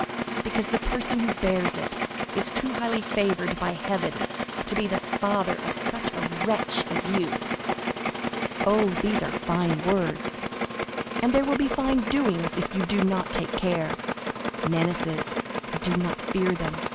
"Because the person who bears it is too highly favored by Heaven to be the father of such a wretch as you." "Oh, these are fine words." "And there will be fine doings, if you do not take care." "Menaces—I do not fear them.